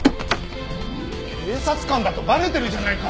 警察官だとバレてるじゃないか！